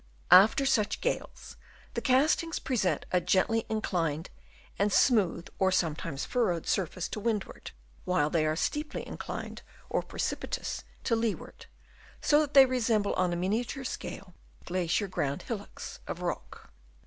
After such gales, the castings present a gently inclined and smooth, or sometimes furrowed, surface to windward, while they are steeply inclined or precipitous to leeward, so that they resem ble on a miniature scale glacier ground hillocks of rock.